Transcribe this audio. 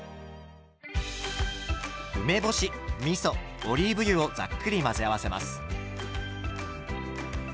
梅干しみそオリーブ油をざっくり混ぜ合わせます。